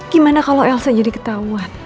gimana kalau elsa jadi ketawa